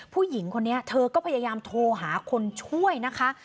ผู้หญิงคนนี้เธอก็พยายามโทรหาคนช่วยนะคะ